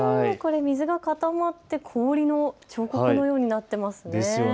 水が固まって氷の彫刻のようになっていますね。